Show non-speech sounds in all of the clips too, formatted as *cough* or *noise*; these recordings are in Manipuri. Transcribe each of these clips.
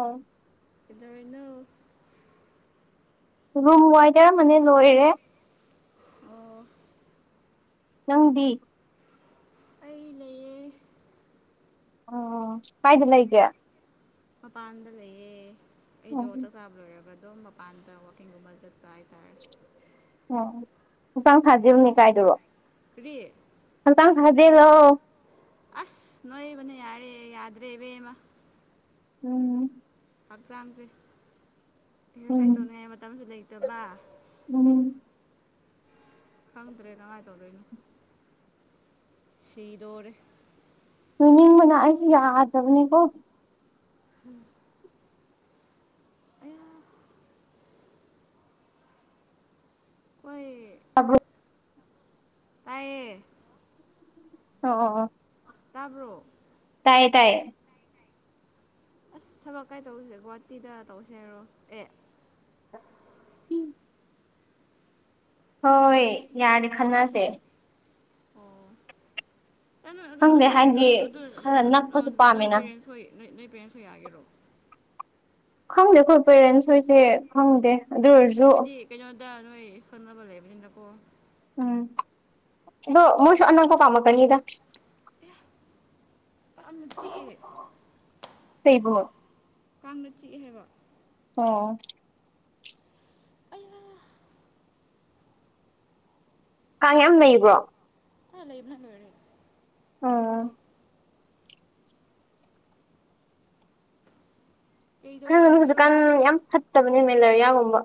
ꯑꯥ ꯅꯧ ꯔꯨꯝ ꯋꯥꯏ ꯇꯔꯃꯅꯤ ꯂꯣꯏꯔꯦ ꯑꯣ ꯅꯪꯗꯤ ꯑꯩ ꯂꯩꯌꯦ ꯑꯣ ꯀꯥꯏꯗ ꯂꯩꯒꯦ ꯃꯄꯥꯟꯗ ꯂꯩꯑ ꯑꯩ ꯖꯣ ꯎꯝ ꯆꯥꯛꯆꯥꯕ ꯂꯣꯏꯔꯒ ꯑꯗꯨꯝ ꯃꯄꯥꯟꯗ ꯋꯥꯛꯀꯤꯡꯒꯨꯝꯕ ꯆꯠꯄ ꯍꯥꯏꯇꯥꯔꯦ ꯎꯝ ꯌꯦꯟꯆꯥꯡ ꯁꯥꯖꯕꯅꯦ ꯀꯥꯏꯗꯔꯣ ꯦ ꯑꯪ ꯍꯖꯤꯦ ꯂ ꯑꯁ ꯅꯣꯏꯦꯕꯅꯤ ꯌꯥꯔꯦ ꯌꯥꯗ꯭ꯔꯦ ꯏꯕꯦꯃ ꯎꯝ ꯍꯛꯆꯥꯡꯁꯦ ꯎꯝ ꯍꯌꯥꯔꯁꯥꯏꯁ ꯇꯧꯅꯤꯡꯉꯥꯏ ꯃꯇꯝꯁ ꯂꯩꯇꯕ ꯎꯝ ꯈꯪꯗ꯭ꯔꯦ ꯀꯃꯥꯏꯅ ꯇꯧꯗꯣꯏꯅꯣ ꯁꯤꯗꯣꯔꯦ ꯇꯨꯅꯤ ꯃꯅꯥꯏ ꯌꯥꯗ ꯑꯃꯅꯤ ꯀꯣ ꯎꯝ ꯑ ꯑꯩꯣꯏ ꯑꯕ ꯇꯌꯦ ꯑꯣ ꯇꯥꯕ꯭ꯔꯣ ꯇꯥꯏꯌꯦ ꯇꯥꯏꯌꯦ ꯑꯁ ꯊꯕꯛ ꯀꯥꯏ ꯇꯧꯁꯦ ꯒꯨꯍꯥꯇꯤꯗ ꯇꯧꯁꯦ ꯍꯥꯏꯔꯣ ꯑꯦ ꯎꯝ ꯍꯣꯏ ꯌꯥꯔꯦ ꯈꯅꯁꯦ ꯑꯣ ꯈꯪꯗꯦ ꯑꯁꯤꯃ ꯍꯥꯏꯗꯤ ꯈꯔ ꯅꯛꯄꯁꯨ ꯅꯣꯏ ꯄꯥꯝꯃꯦꯅ ꯄꯦꯔꯦꯟꯁ ꯍꯣꯏꯣꯏ ꯄꯦ ꯐꯤꯌꯥꯒꯤꯔꯣ ꯈꯪꯗꯦ ꯑꯩ ꯄꯦꯔꯦꯟꯁ ꯍꯣꯏꯁꯦ ꯈꯪꯗꯦ ꯑꯗꯨ ꯑꯣꯏꯔꯁꯨ ꯗꯗꯥ ꯅꯣꯏ ꯈꯪꯕꯜ ꯂꯩꯕꯗꯤꯗꯥꯛꯀꯣ ꯎꯝ ꯑꯗꯨ ꯃꯣꯏꯁꯨ ꯑꯟꯅ ꯀꯧꯕ ꯀꯃ ꯀꯅꯤꯒ ꯄꯥꯛꯅ ꯆꯤꯛꯑꯦ ꯆꯩꯕ ꯀꯥꯡꯅ ꯆꯤꯛꯑꯦ ꯍꯥꯏꯕ ꯑꯣ ꯀꯥꯡ ꯌꯥꯝ ꯂꯩꯕ꯭ꯔꯣ ꯑ ꯂꯩ ꯂꯩꯕꯅꯔ ꯑꯥ ꯑꯉ ꯍꯧꯖꯤꯛꯀꯥꯟ ꯌꯥꯝ ꯐꯠꯇꯕꯅꯦ ꯃꯦꯂꯔꯤꯌꯥꯒꯨꯝꯕ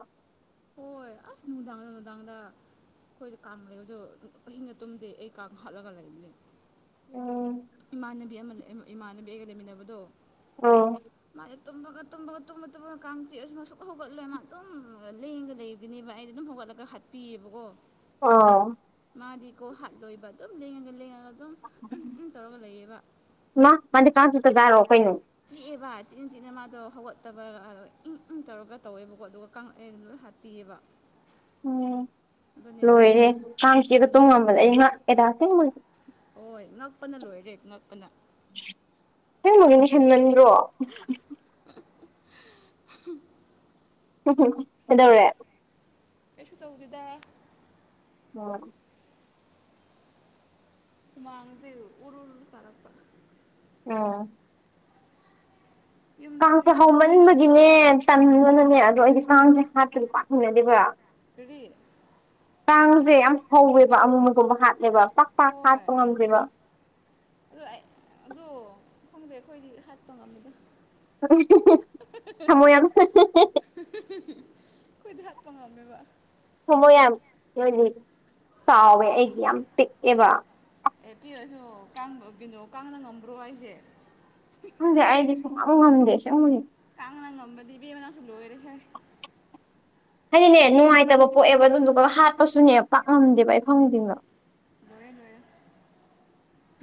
ꯍꯣꯏ ꯑꯁꯅꯅꯨꯡ ꯗꯥꯡꯒꯅ ꯗꯥꯡꯒꯗ ꯑꯩꯈꯣꯏꯗ ꯀꯥꯡ ꯂꯩꯕꯗꯣ ꯀꯤꯡꯅ ꯇꯨꯝꯗꯦ ꯑꯩ ꯀꯥꯡ ꯍꯥꯠꯂꯒ ꯂꯩꯕꯅꯦ ꯎꯝ ꯏꯃꯥꯟꯅꯕꯤ ꯑꯃ ꯏꯃꯥꯟꯅꯕꯤꯒꯒ ꯂꯩꯃꯤꯟꯅꯕꯗꯣ ꯑ ꯇꯨꯝꯃꯒ ꯇꯨꯝꯕꯒ ꯇꯨꯝꯕ ꯇꯨꯝꯃꯒ ꯀꯥꯡ ꯆꯤꯑꯁꯨ ꯃꯁꯨꯛ ꯍꯧꯒꯠꯂꯣꯏ ꯃꯥ ꯑꯗꯨꯝ ꯂꯦꯡꯒ ꯂꯩꯕꯗꯨꯅꯦꯕ ꯑꯩꯗꯤ ꯑꯗꯨꯝ ꯍꯧꯒꯠꯂꯒ ꯍꯥꯠꯄꯤꯌꯦꯕꯀꯣ ꯑ‌ꯣ ꯃꯥꯗꯤꯀꯣ ꯍꯥꯠꯂꯣꯏꯕ ꯑꯗꯨꯝ ꯂꯉꯒ ꯂꯩꯉ ꯃꯥ ꯃꯥꯗꯤ ꯀꯥꯁꯤꯠꯇꯖꯥꯔꯣꯑꯣ ꯀꯣꯏꯅ‌ꯣ ꯁꯤ ꯑꯦ ꯕꯥ ꯏꯤꯟ ꯏꯆꯤꯅ ꯃꯥꯗꯣ ꯍꯧꯒꯠꯇꯕ ꯏꯪ ꯏꯪ ꯇꯧꯔꯒ ꯇꯧꯋꯦꯕꯀꯣ ꯑꯗꯨꯒ ꯀꯉꯛꯑꯦ ꯂꯣꯏ ꯍꯥꯞꯄꯤꯑ‌ꯦꯕꯥ ꯎꯝ ꯂꯣꯏꯔꯦ ꯀꯥꯡ ꯆꯦꯒ ꯑꯗꯨꯅꯦ ꯇꯣꯡꯉꯝꯕꯗ ꯑꯩ ꯉꯍꯥꯛ ꯑꯦꯗꯥꯣꯏ ꯍꯣꯏ ꯉꯛꯄꯅ ꯂꯣꯏꯔꯦ ꯉꯛꯄꯅ ꯍ‌ꯦꯟꯃꯟꯃꯟꯗꯔꯣ *unintelligible* ꯍꯗꯧꯔꯦ ꯀꯩꯁꯨ ꯇꯧꯗꯗ ꯑꯣꯝ ꯃꯥꯥꯡꯁꯦ ꯎꯔ ꯎꯔ ꯇꯔꯛꯄ ꯑꯥ ꯌꯨꯝ ꯀꯥꯡꯁꯦ ꯊꯣꯛꯅꯤꯡꯉꯤꯗ ꯍꯧꯃꯟꯕꯒꯤꯅꯦ ꯇꯟꯕꯅꯅꯦ ꯑꯗꯣ ꯑꯩꯗꯤ ꯀꯥꯡꯁꯦ ꯍꯥꯠꯄꯒꯤ ꯄꯥꯛꯃꯤꯟꯅꯗꯕ꯭ꯔꯥ ꯄꯤꯔꯤ ꯀꯥꯡꯁꯦ ꯌꯥꯝ ꯍꯧꯋꯦꯕ ꯑꯃꯨ ꯑꯒꯨꯝꯕ ꯍꯥꯠꯂꯦꯕ ꯄꯥꯛ ꯄꯥꯛ ꯍꯥꯠꯄ ꯉꯝꯗ꯭ꯔꯦꯕ ꯑꯣ ꯑꯩ ꯑꯗꯨ ꯈꯪꯗꯦ ꯑꯩꯈꯣꯏꯗꯤ ꯍꯥꯠꯄ ꯉꯝꯃꯤꯗ ꯊꯣꯏ ꯀꯣꯏꯗꯥꯛ ꯄ ꯉꯃꯦꯕ ꯊꯃꯣꯏ ꯌꯥꯝꯣꯏꯗꯤ ꯆꯥꯎꯋꯦ ꯑꯩꯗꯤ ꯈꯪꯗꯦ ꯌꯥꯝ ꯄꯤꯛꯑꯦꯕ ꯑꯦ ꯄꯤꯔꯁꯨꯕꯒꯤꯅꯣ ꯀꯥꯡꯅ ꯉꯝꯕ꯭ꯔꯣ ꯑꯩꯁꯦ ꯍꯪꯗꯦ ꯑꯩꯗꯤ ꯁꯨꯝꯍꯪꯗꯦ ꯁ ꯇꯥꯡꯉ ꯅ ꯉꯝꯕꯗꯤꯕꯕꯅꯥꯁꯨꯜꯨꯣ ꯑꯣꯏꯔꯦꯁꯦ ꯍꯥꯏꯗꯤꯅꯦ ꯅꯨꯡꯉꯥꯏꯇꯕ ꯄꯣꯛꯑꯦꯕ ꯑꯗꯨꯝꯗꯨꯒ ꯍꯥꯠꯄꯁꯨꯅꯦ ꯄꯥꯛꯂꯝꯝꯗꯦꯕ ꯑꯩ ꯈꯪꯗꯕ ꯅꯣꯏ ꯅ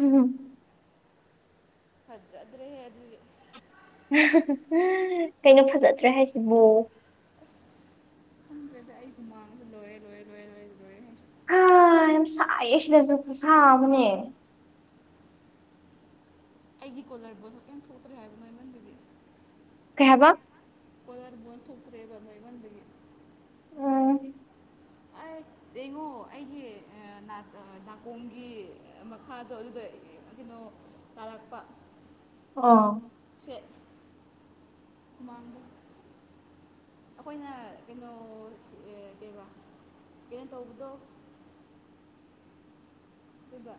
ꯎꯝ ꯍꯖꯗ꯭ꯔꯦ ꯍꯦꯜꯂꯤ ꯀꯩꯅꯣ ꯐꯖꯠꯇ꯭ꯔꯦ ꯍꯥꯏꯁꯤꯕꯨ ꯑꯁ ꯈꯪꯗꯦꯗꯤ ꯑꯩ ꯍꯃꯥꯡꯗꯦ ꯂꯣꯏꯔꯦ ꯂꯣꯏꯔꯦ ꯂꯣꯏꯦ ꯂꯣꯏꯔꯦ ꯂꯣꯏꯔꯦ ꯑ ꯌꯥꯝ ꯆꯥꯏ ꯑꯁꯦꯖ ꯈꯨ ꯁꯥꯥ ꯃꯅꯦ ꯑꯩꯒꯤ ꯀꯣꯂ ꯔꯕꯣꯁ ꯀꯩꯝ ꯊꯣꯛꯇ꯭ꯔꯦ ꯍꯥꯏꯕꯅꯣ ꯑꯩꯃꯟꯕꯤꯕꯤ ꯀꯩꯕ ꯀꯣꯏꯔꯕꯨ ꯁꯨꯇ꯭ꯔꯦꯕꯟꯗꯦ ꯎꯝ ꯑ ꯌꯦꯡꯉꯣ ꯑꯩꯒꯤ ꯅꯥꯀꯣꯡꯒꯤ ꯃꯈꯥꯗꯣ ꯑꯗꯨꯗ ꯀꯩꯅꯣ ꯑꯣ ꯇꯔꯛꯄ ꯑꯥ ꯃ ꯑꯩꯈꯣꯏꯅ ꯀꯩꯅꯣ ꯀꯕ ꯀ ꯇꯧꯕꯧꯕꯗꯣ ꯑꯗꯨꯒꯕ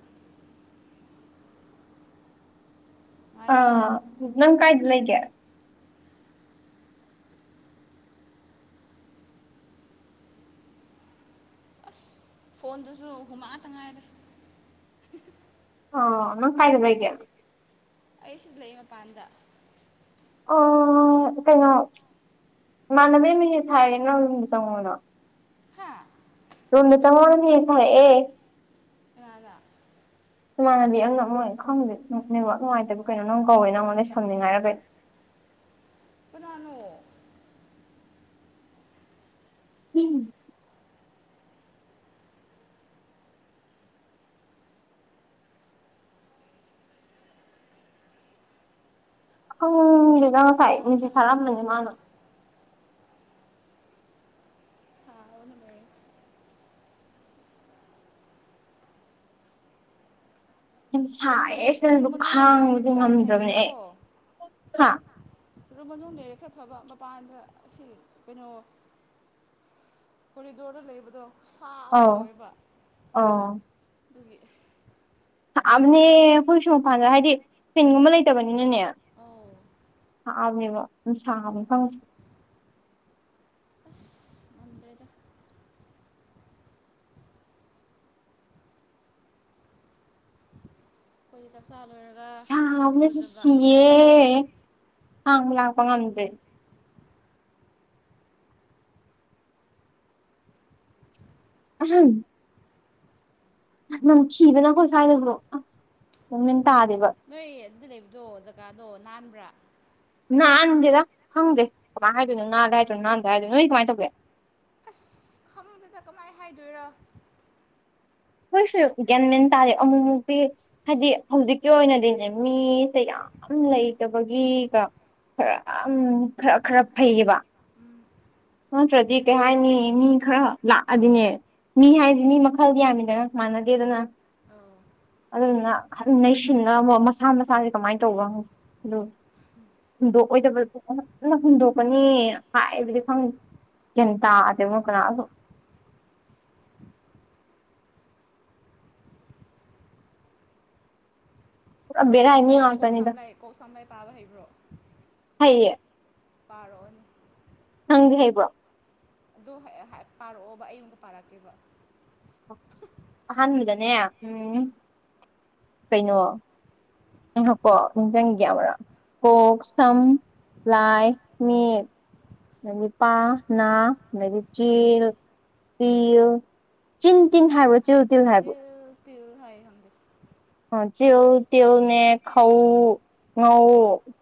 ꯉꯥꯏꯌꯣꯀꯣ ꯑꯥ ꯅꯪ ꯀꯥꯏꯗ ꯂꯩꯒꯦ ꯑꯁ ꯐꯣꯟꯗꯨꯁꯨ ꯍꯨꯃꯛꯑꯇ ꯉꯥꯏꯔꯦ ꯑꯣ ꯃꯪ ꯀꯥꯏꯦꯕꯩꯒꯦ ꯑꯩ ꯁꯤꯗ ꯂꯩ ꯃꯄꯥꯟꯗ ꯑ ꯀꯩꯅꯣ ꯏꯃꯥꯟꯅꯅꯕ ꯃꯤꯁꯦ ꯊꯥꯔꯒꯦ ꯅ ꯌꯗ ꯆꯪꯉꯨꯅꯣ ꯍꯥꯥ ꯔꯨꯅ ꯆ ꯃꯅꯤ ꯁꯔꯦ ꯑꯦ ꯀꯅꯥꯗ ꯏꯃꯥꯟꯅꯕꯤ ꯑꯃꯅ ꯑꯃꯣꯏ ꯈꯪꯕꯗ ꯅꯨꯡꯉꯥꯏꯇꯕ ꯀꯩꯅꯣ ꯅꯪ ꯀꯧꯋꯦ ꯅꯉꯣꯟꯗꯁꯝꯅꯤꯡꯉꯥꯏꯔ ꯀꯩꯅꯣ ꯀꯅꯥꯅꯣ ꯎꯝ ꯑꯈꯪ ꯂꯤꯅ ꯉꯁꯥꯏ ꯃꯤꯁꯤ ꯁꯥꯕꯅ ꯂꯣꯏꯔꯦꯗ ꯁꯥꯅꯅꯤ ꯃꯥꯅ ꯁꯥꯕꯅ ꯂꯣꯏꯔꯦ ꯌꯥꯝ ꯔꯨꯝꯗ ꯁꯥꯏꯌꯦ ꯂꯩ ꯁꯤꯗꯁꯨ ꯔꯨꯝ ꯃꯅꯨꯡꯗ ꯂꯩꯔꯗꯤ ꯈꯥꯡꯕꯁꯦ ꯈꯔ ꯉꯝꯗ꯭ꯔꯕꯅꯦ ꯑꯦ ꯐꯩꯌꯦꯕꯀꯣ ꯑꯗꯨ ꯃꯅꯨꯡꯗ ꯂꯩꯔꯦ ꯈꯔ ꯐꯕ ꯃꯄꯥꯟꯗ ꯁꯤ ꯀꯩꯅꯣ ꯀꯣꯔꯤꯗꯣꯔꯗ ꯂꯩꯕꯗꯣ ꯁꯥ ꯑꯃ ꯑꯧ ꯇꯧꯋꯦꯕ ꯑꯗꯨꯒꯤ ꯑꯕꯅꯦ ꯑꯩꯈꯣꯏꯁꯨ ꯃꯄꯥꯟꯗ ꯍꯥꯏꯗꯤ ꯐꯤꯟꯒꯨꯝꯕ ꯂꯩꯇꯕꯅꯤꯅꯅꯦ ꯑ ꯍꯥꯛꯑꯅꯦꯕ ꯑꯗꯨꯅꯨꯡꯁꯥꯡꯕ ꯐꯪꯁꯤꯦ ꯑꯁ ꯉꯝꯗ꯭ꯔꯦꯗ ꯑꯩꯈꯣꯏꯗꯤ ꯆꯥꯛꯆꯥ ꯂꯣꯏꯔꯒ ꯁꯥꯕꯅꯁꯨ ꯏꯔꯨꯖꯕ ꯁꯤꯌꯦꯦ ꯍꯥꯡ ꯂꯥꯛꯄ ꯉꯝꯗ꯭ꯔꯦ ꯎ ꯅꯪ ꯊꯤꯕꯅ ꯀꯣꯏ ꯍꯥꯏꯥꯏꯗꯈ꯭ꯔꯣ ꯑꯁ ꯇꯥꯗꯦꯕ ꯅꯣꯏ ꯑꯗꯨꯗꯤ ꯂꯩꯕꯗꯣ ꯖꯒꯥꯗꯣ ꯅꯥꯟꯕ꯭ꯔꯥ ꯅꯅꯥꯍꯥꯟꯟꯗꯦꯗ ꯈꯪꯗꯦ ꯀꯃꯥꯏꯅꯗꯣꯏꯅꯣ ꯅꯥꯗ ꯍꯥꯏꯗꯣꯏꯅꯣ ꯅꯍꯥꯟꯗ ꯍꯥꯏꯗꯣꯏꯅꯣ ꯅꯣꯏ ꯀꯃꯥꯏꯅ ꯇꯧꯒꯦ ꯑꯁ ꯈꯃꯨꯡꯗꯨꯗ ꯀꯃꯥꯏꯅ ꯍꯥꯏꯗꯣꯏꯔ ꯍꯣꯏꯁꯨ ꯒ꯭ꯌꯥꯟ ꯃꯦꯟ ꯇꯥꯔꯦ ꯑꯃꯨꯛꯃꯨꯛꯇꯤ ꯍꯥꯏꯗꯤ ꯍꯧꯖꯤꯛꯀꯤ ꯑꯣꯏꯅꯗꯤꯅꯦ ꯃꯤꯁꯦ ꯌꯥꯝ ꯌꯥꯝ ꯂꯩꯇꯕꯒꯤ ꯈꯔ ꯈꯔ ꯈꯔ ꯐꯩꯌꯦꯕ ꯎꯝ ꯅꯠꯇ꯭ꯔꯗꯤ ꯀꯩ ꯍꯥꯏꯥꯏꯅꯤ ꯃꯤ ꯈꯔ ꯂꯥꯛꯑꯗꯤꯅꯦ ꯃꯤ ꯎꯝ ꯍꯥꯏꯁꯤ ꯃꯤ ꯃꯈꯜꯒꯤ ꯌꯥꯝꯃꯤꯗꯅ ꯃꯥꯟꯅꯗꯦꯗꯅ ꯑꯧ ꯑꯗꯨꯗꯨꯅ ꯅꯩꯁꯤꯟꯅꯉ ꯃꯁꯥ ꯃꯁꯥꯁꯦ ꯀꯃꯥꯏꯅ ꯇꯧꯕꯪ ꯑꯗꯨ ꯍꯨꯟꯗꯣꯛꯑꯣꯏꯗꯕꯟꯅ ꯍꯨꯟꯗꯣꯛꯀꯅꯤ ꯍꯥꯏꯕꯗꯤ ꯐꯪꯗꯦ ꯆꯤꯡꯤꯟꯇꯥ ꯇ ꯃꯨ ꯀꯅꯥ ꯂꯣ ꯄꯨꯔꯥ ꯀꯧ ꯕꯦꯔꯥꯏ ꯃꯤ ꯁꯝꯂꯥꯏ ꯀꯧ ꯉꯥꯛꯇꯅꯤꯗ ꯁꯝꯂꯥꯏ ꯀꯧꯁꯝꯂꯥꯏ ꯄꯥꯕ ꯍꯩꯕ꯭ꯔꯣ ꯍꯌꯦ ꯄꯥꯔꯣꯏꯅꯤ ꯍꯪꯒꯦ ꯍꯩꯕ꯭ꯔꯣ ꯑꯗꯨ ꯄꯥꯔꯛꯑꯣꯕ ꯑꯩ ꯑꯃꯨꯛ ꯄꯥꯔꯛꯀꯦꯕ ꯑꯍꯥꯟꯕꯗꯅꯦ ꯎꯝ ꯀꯩꯅꯣ ꯎ ꯀꯣ ꯅꯤꯡ ꯆꯪꯒꯌꯥꯕ꯭ꯔꯣ ꯀ ꯁꯝ ꯂꯏ ꯃꯤ ꯃꯥ ꯄꯥ ꯅꯅꯥ ꯃꯥ ꯆꯤꯔ ꯆꯤꯟ ꯇꯤꯟ ꯍꯥꯏꯥꯕꯣ ꯆꯤꯜ ꯇꯤꯜ ꯍꯥꯕꯣ ꯇꯤꯜ ꯍꯥꯏ ꯈꯪꯗꯦ ꯆ ꯇꯧꯅꯦ ꯈꯥꯎ ꯉꯧ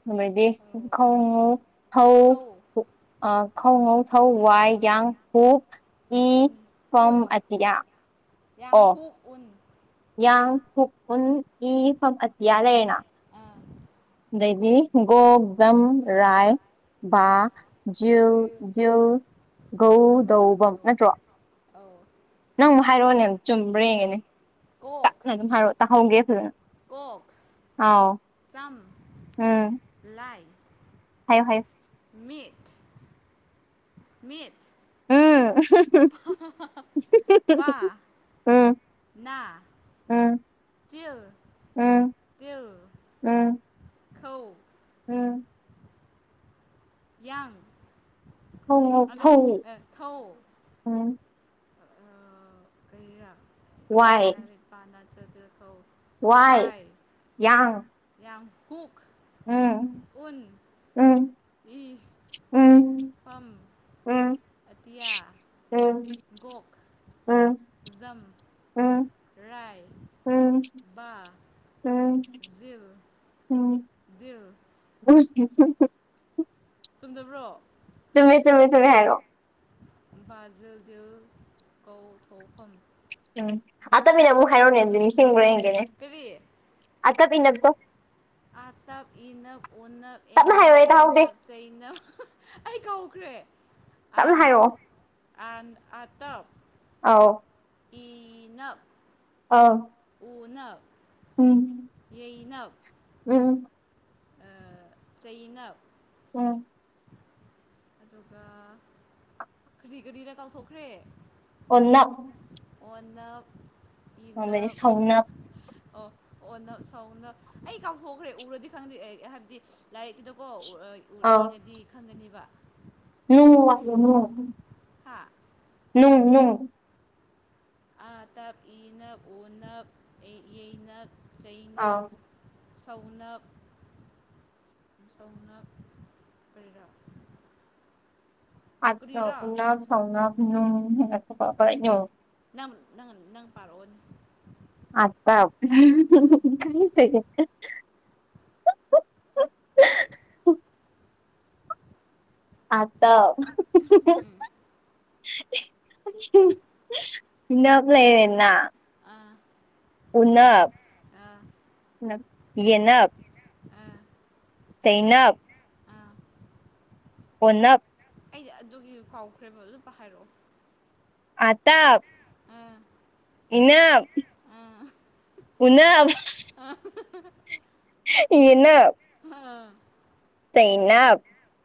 ꯑꯗꯨꯩꯗꯤ ꯊꯧ ꯈꯥꯎꯉꯧ ꯊꯧ ꯈꯧꯉꯧ ꯊꯧ ꯋꯥꯏ ꯌꯥꯡ ꯍꯨꯛ ꯏ ꯐꯝ ꯑꯠꯇꯌꯥ ꯌꯥꯡꯍꯨ ꯎꯟ ꯌꯥꯡ ꯎꯟ ꯏ ꯐ ꯑꯇꯤꯌꯥ ꯂꯩꯥꯏꯅꯥ ꯑꯥ ꯗꯩꯕꯤ ꯒꯣꯛ ꯝ ꯔꯥꯏ ꯕꯥꯥ ꯖꯤꯜ ꯒꯧ ꯒꯧꯗꯧꯕꯝ ꯒꯧ ꯅꯠꯇ꯭ꯔꯣ ꯑꯧ ꯅꯪ ꯑꯃꯨꯛ ꯍꯥꯏꯔꯛꯑꯣꯅꯦ ꯆꯨꯝꯕ꯭ꯔ ꯌꯦꯒꯅꯦ ꯀꯣꯛ ꯅ ꯑꯗꯨꯝ ꯍꯥꯏꯔ ꯇꯥꯍꯧꯒꯦ ꯐꯖꯅ ꯑꯥꯎ ꯊꯝ ꯂ ꯍꯥꯏ ꯍꯥꯏ ꯃꯠ ꯃꯠ ꯑꯣ ꯄꯥ ꯎꯝ ꯎꯝ ꯆꯤꯜ ꯎꯝ ꯍꯧ ꯎꯝ ꯌꯥꯥꯡ ꯍ ꯐ ꯎꯝ ꯀꯔ ꯋꯥꯏ ꯑꯣꯛꯁ꯭ꯔꯝ ꯂꯩꯥꯏꯄꯥꯟ ꯆꯗ ꯊ ꯋꯥꯏ ꯌꯥꯡ ꯍꯨ ꯎꯝ ꯎꯟ ꯎꯝ ꯏ ꯎꯝ ꯎꯝ ꯄꯝ ꯎꯝ ꯑꯠꯇꯤꯌꯥ ꯒꯣꯛ ꯑꯝ ꯎꯝ ꯔꯥꯏ ꯎꯝ ꯕꯥ ꯎꯝ ꯎꯝ ꯕꯜ *unintelligible* ꯆꯨꯝꯗꯕ꯭ꯔꯣ ꯇꯃꯤꯃꯤ ꯇꯃꯤ ꯊꯃꯤ ꯍꯥꯏꯔꯣ ꯕ ꯖꯤꯜꯗꯤꯜ ꯒꯧ ꯊꯧ ꯐꯝ ꯎꯝ ꯑꯠꯇꯕꯤꯅ ꯑꯃꯨꯛ ꯍꯥꯏꯔꯛꯅꯦ ꯑꯗꯨꯗꯤ ꯅꯤꯡꯁꯤꯡꯈ꯭ꯔꯦ ꯀꯨꯔꯤꯏ ꯏꯟꯅꯛꯇꯣ ꯑꯥꯇꯞ ꯏꯅꯞ ꯎꯞ ꯇꯞꯅ ꯍꯥꯏꯌꯣ ꯑꯦꯟꯅꯞ ꯑꯩ ꯇꯥꯍꯧꯗꯦ ꯌꯩꯅꯞ ꯆꯩꯩꯅꯞ ꯑꯩ ꯀꯧꯈ꯭ꯔꯦ ꯆꯞꯅ ꯍꯥꯏꯔꯛꯑꯣ ꯑ ꯑꯇꯞ ꯑ ꯏꯅ ꯑꯥꯎ ꯄꯅ ꯎꯝ ꯎꯝ ꯑ ꯆꯩꯅ ꯎꯝ ꯑꯗꯨꯒ ꯀꯔꯤ ꯀꯔꯤꯗ ꯀꯥꯎꯊꯣꯛꯈ꯭ꯔꯦ ꯑꯣꯟꯅ ꯑꯣꯟꯅ ꯑꯗꯤ ꯁꯧꯅꯞ ꯑꯣ ꯑꯣ ꯅ ꯁꯧꯅ ꯑꯩ ꯀꯥꯎꯊꯣꯛꯈ꯭ꯔꯦ ꯎꯔꯗꯤ ꯈꯪꯗꯦ ꯑꯩ ꯍꯥꯏꯕꯗꯤ ꯂꯥꯏꯔꯤꯛꯇꯨꯗ ꯀꯣ ꯎꯔ ꯌꯦꯡꯉꯗꯤ ꯈꯪꯒꯅꯤꯕ ꯍ ꯍꯥꯥ ꯅꯣꯡ ꯅꯣꯡ ꯑꯥ ꯇꯞ ꯏꯅꯞ ꯑꯣꯅꯞ ꯌꯩꯅꯞ ꯆꯩꯩꯅꯞ ꯑꯧ ꯁꯧꯅꯞ ꯁꯧꯅ ꯄꯩꯔꯥ ꯑ ꯎꯞ ꯁꯥꯎꯅꯥ ꯅꯪ ꯅꯪ ꯅꯪ ꯄꯥꯔꯛꯑꯣꯅꯤ ꯑ *inaudible* ꯑꯗ ꯎꯝ ꯏꯟꯅ ꯐ꯭ꯂ ꯂꯩꯔꯟꯅ ꯑꯥ ꯄꯨꯟꯅꯞ ꯑꯥ ꯌꯦꯅ ꯑꯥ ꯆꯩꯩꯅꯕ ꯑꯥ ꯑꯣꯟꯅ ꯑꯩꯗꯤ ꯑꯗꯨꯒꯤ ꯐꯥꯎꯈ꯭ꯔꯦꯕ ꯑꯗꯨ ꯄ ꯍꯥꯏꯔꯛꯑꯣ ꯑꯇꯥ ꯑꯥ ꯏꯟꯅ ꯑꯥ ꯎꯟꯅ ꯏꯟꯅ ꯑꯥ ꯩ ꯅ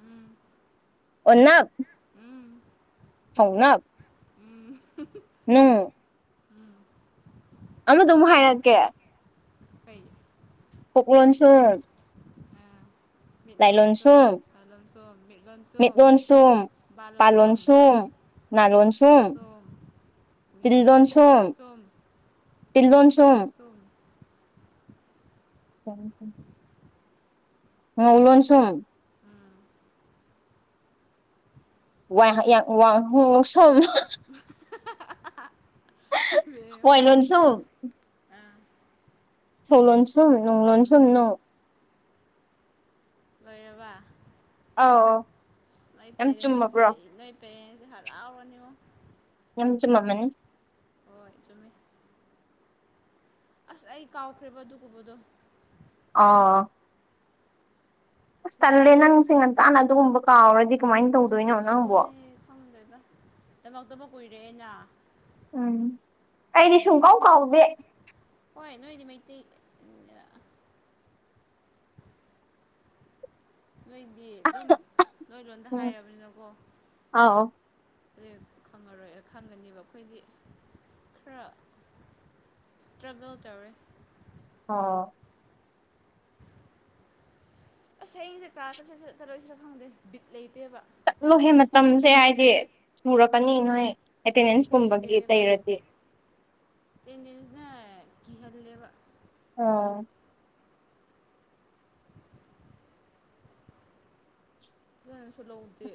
ꯎꯝ ꯑꯣꯟꯅ ꯎꯝ ꯁꯧꯥꯎꯅꯥ ꯎꯝ ꯎꯝ ꯑꯃꯗ ꯑꯃꯨꯛ ꯍꯥꯏꯔꯛꯀꯦ ꯀꯩ ꯑꯣ ꯀꯣꯟ ꯆ ꯃꯤ ꯂꯣꯟ ꯁꯣ ꯄꯥꯂꯣꯟ ꯁꯣꯝ ꯃꯤ ꯂꯣꯟ ꯁꯣꯝ ꯄꯜꯣꯟ ꯁꯨꯡ ꯅꯔꯣꯟ ꯁꯨꯡꯨꯝ ꯏ ꯁꯣꯝ ꯇꯤꯜꯂꯣꯟꯁꯨꯝ ꯑꯟꯑꯣꯗꯤꯕꯜ ꯉꯧꯂꯣꯟ ꯁꯨꯝ ꯎꯝ ꯋꯥꯏ ꯍꯤꯌꯥꯏ ꯋꯥ ꯍꯨꯛꯂꯣꯟꯁꯨꯝ ꯋꯥꯏꯂꯣꯟꯁꯨꯝ ꯑꯥ ꯁꯧ ꯂꯣꯟꯁꯨꯝ ꯅꯨꯡ ꯂꯣꯟꯁꯨꯝ ꯎꯝ ꯅꯨꯡ ꯂꯣꯏꯔꯕ ꯑꯧ ꯑꯁ ꯅꯣꯏ ꯌꯥꯝ ꯄꯦꯔꯦꯟꯁꯁꯦ ꯆꯨꯝꯃꯕ꯭ꯔꯣ ꯅꯣꯏ ꯄꯦꯔꯦꯟꯁꯁꯦ ꯍꯔꯥꯎꯔꯅꯤꯉꯣ ꯂꯣꯏꯟ ꯆꯨꯝꯃꯝꯃꯅꯤ ꯍꯣꯏ ꯆꯨꯝꯃꯦ ꯑꯁ ꯑꯩ ꯀꯥꯎꯈ꯭ꯔꯦꯕ ꯑꯗꯨꯒꯨꯝꯕꯗꯣ ꯑꯣ ꯑꯁ ꯇꯜꯂꯦ ꯄꯣꯛꯁꯝ ꯅꯪꯁꯦ ꯉꯟꯇꯥꯅ ꯑꯗꯨꯒꯨꯝꯕ ꯀꯥꯎꯔꯗꯤ ꯀꯃꯥꯏꯅ ꯑꯁ ꯇꯧꯗꯣꯏꯅꯣ ꯅꯪꯕꯣ ꯇꯃꯛꯇꯕꯨ ꯀꯨꯏꯔꯦꯅ ꯎꯝ ꯑꯩꯗꯤ ꯁꯨꯡ ꯑꯗꯨꯒꯤꯅꯤ ꯀꯥꯎ ꯀꯥꯎꯗꯦ ꯇꯤ ꯅꯣꯏꯗꯤ ꯑꯗꯨꯝ ꯅꯣꯏ ꯂꯣꯟꯗ ꯎꯝ ꯍꯥꯏꯔꯕꯅꯤꯅꯀꯣ ꯑꯥꯎ ꯈꯪꯉꯔꯣꯏ ꯈꯪꯒꯅꯦꯕ ꯑꯩꯈꯣꯏꯗꯤ ꯈꯔ ꯁꯇ꯭ꯔꯒꯜ ꯇꯧꯋꯦ ꯑꯣ ꯑꯁꯁꯦ ꯀꯥ ꯆꯠꯁꯦ ꯆꯠꯔꯣꯏ ꯁꯔ ꯈꯪꯗꯦ ꯕꯤꯠ ꯂꯩꯦ ꯆꯠꯂꯨꯍꯦ ꯃꯇꯝꯁꯦ ꯍꯥꯏꯗꯤ ꯁꯨꯔꯛꯀꯅꯤ ꯅꯣꯏ ꯕꯤꯠ ꯑꯦꯇꯦꯟꯗꯦꯟꯁꯀꯨꯝꯕꯒꯤ ꯂꯩꯇꯦꯕ ꯂꯩꯔꯗꯤ ꯑꯦꯇꯦꯟꯗꯦꯟꯁꯅ ꯀꯤꯍꯜꯂꯦꯕ ꯑꯥ ꯐꯖꯅꯁꯨ ꯂꯧꯗꯦ